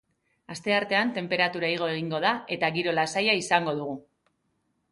Asteartean tenperatura igo egingo da eta giro lasaia izango dugu.